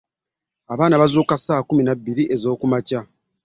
Abaana baazuukuka kusaawa kkumi na bbiri ezookumakya.